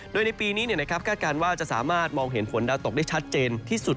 โดยในปีนี้คาดการณ์ว่าจะสามารถมองเห็นฝนดาวตกได้ชัดเจนที่สุด